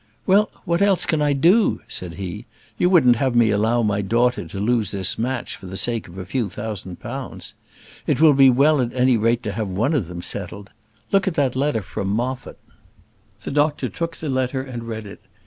"Well, what else can I do?" said he. "You wouldn't have me allow my daughter to lose this match for the sake of a few thousand pounds? It will be well at any rate to have one of them settled. Look at that letter from Moffat." The doctor took the letter and read it.